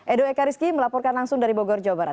edo eka rizki melaporkan langsung dari bogor jawa barat